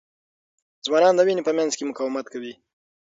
ځوانان د وینې په مینځ کې مقاومت کوي.